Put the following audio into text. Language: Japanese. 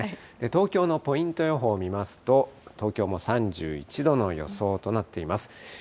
東京のポイント予報を見ますと、東京も３１度の予想となっています。